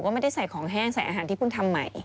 ไม่ได้ใส่ของแห้งใส่อาหารที่เพิ่งทำใหม่